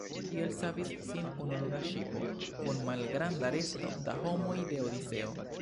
Tiel savis sin ununura ŝipo kun malgranda resto da homoj de Odiseo.